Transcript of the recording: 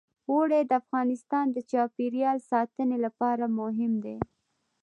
اوړي د افغانستان د چاپیریال ساتنې لپاره مهم دي.